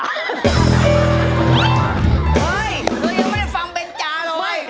เฮ่ยคุณยังไม่ได้ฟังเบนจาหรอมั้ย